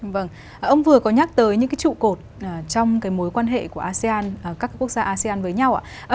vâng ông vừa có nhắc tới những cái trụ cột trong cái mối quan hệ của asean các quốc gia asean với nhau ạ